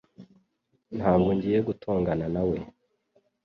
Ntabwo ngiye gutongana nawe